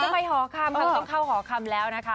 ก็ฮไปห้อคำต้องเข้าห้อคำแล้วนะคะ